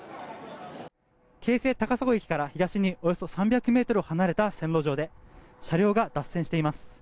京成高砂駅から東におよそ３００ｍ離れた線路上で車両が脱線しています。